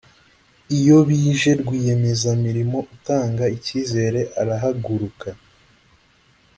iyo bije rwiyemezamirimo utanga icyizere arahaguruka